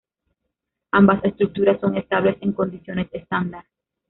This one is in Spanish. Ambas estructuras son estables en condiciones estándar.